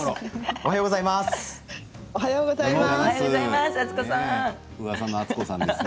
おはようございます。